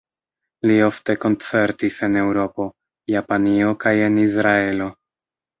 Li ofte koncertis en Eŭropo, Japanio kaj en Izraelo.